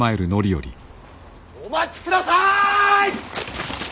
・お待ちください！